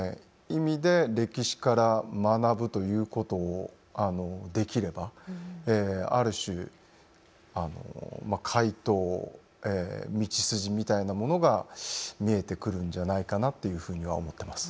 意味で歴史から学ぶということをできればある種解答道筋みたいなものが見えてくるんじゃないかなっていうふうには思ってます。